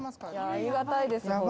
ありがたいです